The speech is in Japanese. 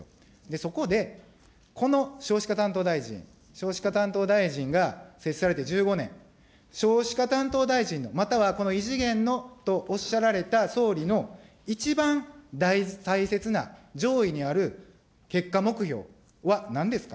そこで、この少子化担当大臣、少子化担当大臣が設置されて１５年、少子化担当大臣の、またはこの異次元のとおっしゃられた総理の一番大切な、上位にある結果目標はなんですか。